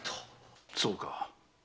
そうか。